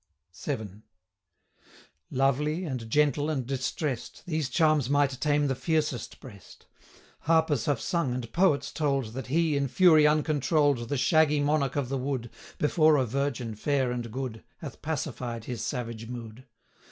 VII. Lovely, and gentle, and distress'd These charms might tame the fiercest breast: Harpers have sung, and poets told, 115 That he, in fury uncontroll'd, The shaggy monarch of the wood, Before a virgin, fair and good, Hath pacified his savage mood.